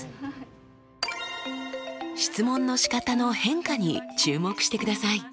質問のしかたの変化に注目してください。